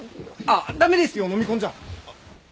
あっ駄目ですよ飲み込んじゃ。